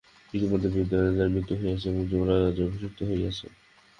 ইতিমধ্যে বৃদ্ধ রাজার মৃত্যু হইয়াছে এবং যুবরাজ রাজ্যে অভিষিক্ত হইয়াছেন।